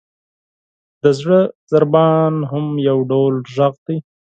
• د زړه ضربان هم یو ډول ږغ دی.